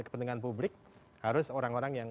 kepentingan publik harus orang orang yang